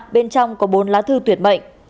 bên trong có bốn lá thư tuyệt mệnh